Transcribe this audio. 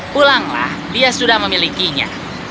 pulanglah dia sudah memilikinya